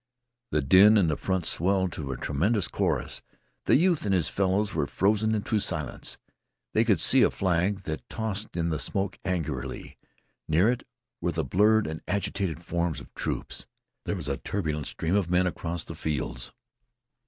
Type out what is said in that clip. The din in front swelled to a tremendous chorus. The youth and his fellows were frozen to silence. They could see a flag that tossed in the smoke angrily. Near it were the blurred and agitated forms of troops. There came a turbulent stream of men across the fields.